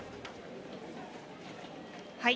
はい。